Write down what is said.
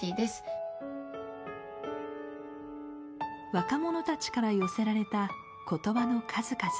若者たちから寄せられた言葉の数々。